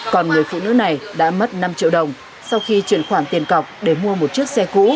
còn người phụ nữ này đã mất năm triệu đồng sau khi chuyển khoản tiền cọc để mua một chiếc xe cũ